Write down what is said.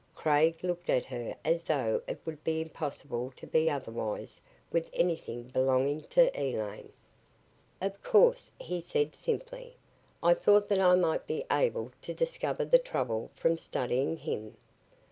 Craig looked at her as though it would be impossible to be otherwise with anything belonging to Elaine. "Of course," he said simply. "I thought that I might be able to discover the trouble from studying him."